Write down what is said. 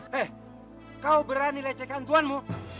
hei kau berani lecehkan tuanmu